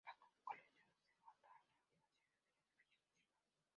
Las colecciones se guardaron en la antigua sede del edificio municipal.